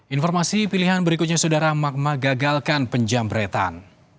informasi pilihan berikutnya saudara magma gagalkan penjambretan